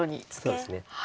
そうですね。